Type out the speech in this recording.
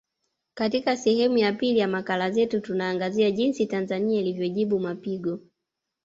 Katika sehemu ya pili ya makala zetu tunaangazia jinsi Tanzania ilivyojibu mapigo